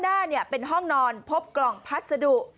หน้าเป็นห้องนอนพบกล่องพัสดุ